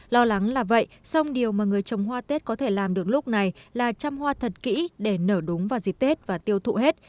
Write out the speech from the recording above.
lo lắng là vậy song điều mà người trồng hoa tết có thể làm được lúc này là trăm hoa thật kỹ để nở đúng vào dịp tết và tiêu thụ hết